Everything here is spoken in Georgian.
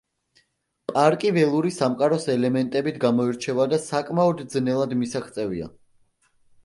პარკი ველური სამყაროს ელემენტებით გამოირჩევა და საკმაოდ ძნელად მისაღწევია.